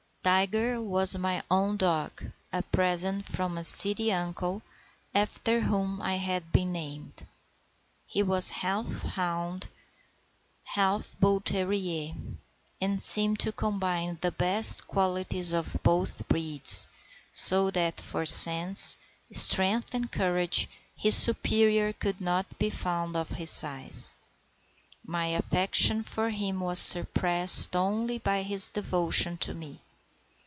Tiger was my own dog—a present from a city uncle after whom I had been named. He was half fox hound, half bull terrier, and seemed to combine the best qualities of both breeds, so that for sense, strength, and courage, his superior could not be found of his size. My affection for him was surpassed only by his devotion to me.